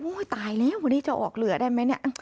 โอ๊ยตายแล้ววันนี้จะออกเหลือได้ไหม